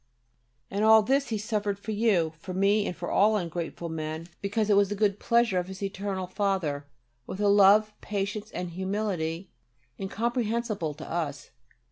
And all this He suffered for you, for me, for all ungrateful men, because it was the good pleasure of His Eternal Father, with a love, patience, and humility incomprehensible to us.